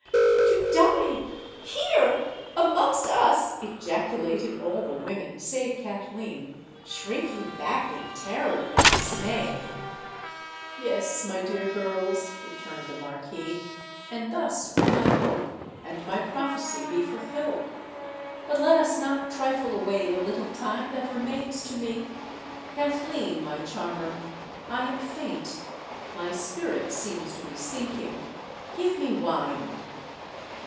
"To die—here—amongst us!" ejaculated all the women (save Kathleen), shrinking back in terror and dismay. "Yes, my dear girls," returned the Marquis: "and thus will my hope and my prophecy be fulfilled. But let us not trifle away the little time that remains to me. Kathleen, my charmer—I am faint—my spirit seems to be sinking:—give me wine!"